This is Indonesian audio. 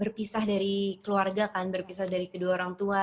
berpisah dari keluarga kan berpisah dari kedua orang tua